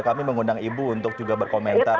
kami mengundang ibu untuk juga berkomentar